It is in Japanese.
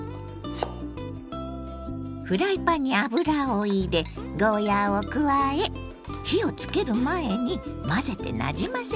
フライパンに油を入れゴーヤーを加え火をつける前に混ぜてなじませます。